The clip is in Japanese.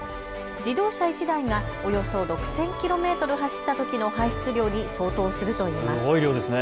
自動車１台がおよそ６０００キロメートル走ったときの排出量に相当するといいます。